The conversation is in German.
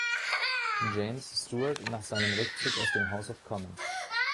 James Stuart nach seinem Rückzug aus dem House of Commons.